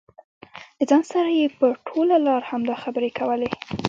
له ځان سره یې په ټوله لار همدا خبرې کولې.